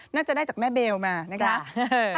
น่าจะได้จากแม่เบลมานะคะ